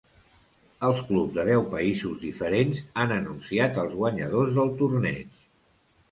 Els clubs de deu països diferents han anunciat els guanyadors del torneig.